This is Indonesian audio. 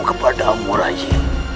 kepada amu rai